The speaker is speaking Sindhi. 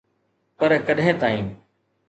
پر، ڪڏهن تائين؟